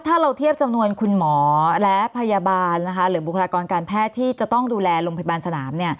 ถ้าเราเทียบจำนวนคุณหมอและพยาบาลหรือบุคลากรการแพทย์ที่จะต้องดูแลโรงพยาบาลสนาม